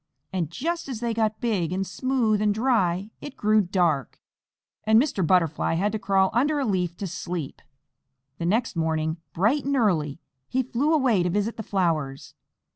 And just as they got big, and smooth, and dry, it grew dark, and Mr. Butterfly had to crawl under a leaf to sleep. The next morning, bright and early, he flew away to visit the flowers.